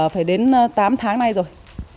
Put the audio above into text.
phải đến tám tháng nay rồi